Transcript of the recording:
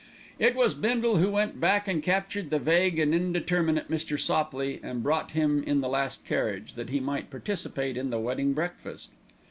It was Bindle who went back and captured the vague and indeterminate Mr. Sopley, and brought him in the last carriage, that he might participate in the wedding breakfast.